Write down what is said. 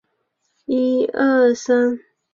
圣拉德贡德人口变化图示